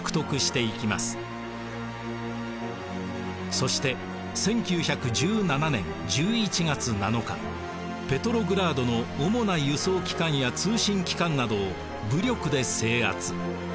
そして１９１７年１１月７日ペトログラードの主な輸送機関や通信機関などを武力で制圧。